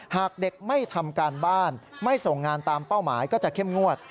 หากเด็กไม่ทำการบ้านไม่ส่งงานตามเป้าหมายก็จะเข้มงวด